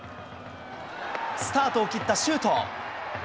スタートを切った周東。